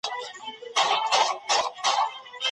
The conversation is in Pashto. ماشومتوب د والدینو ملاتړ ته اړتیا لري.